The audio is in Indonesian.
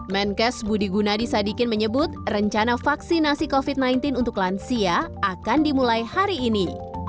menkes budi gunadi sadikin menyebut rencana vaksinasi covid sembilan belas untuk lansia akan dimulai hari ini